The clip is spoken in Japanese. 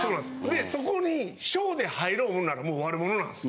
でそこに小で入ろうもんならもう悪者なんですよ。